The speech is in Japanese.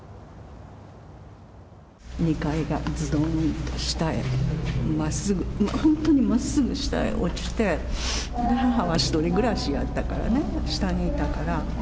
２階がずどんと下へまっすぐ、もう本当にまっすぐ下へ落ちて、母は１人暮らしやったからね、下にいたから。